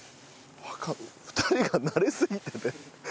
２人が慣れすぎてて。